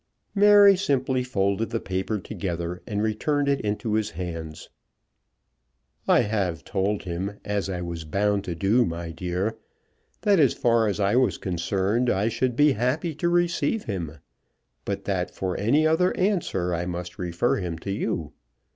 Mary simply folded the paper together and returned it into his hands. "I have told him, as I was bound to do, my dear, that as far as I was concerned, I should be happy to receive him; but that for any other answer, I must refer him to you.